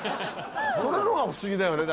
それのほうが不思議だよね